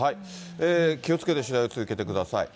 気をつけて取材を続けてください。